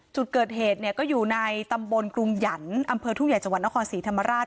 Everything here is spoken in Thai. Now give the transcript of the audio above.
จุดเกิดเหตุเนี่ยก็อยู่ในตำบลกรุงหยันต์อำเภอทุ่งใหญ่จังหวัดนครศรีธรรมราช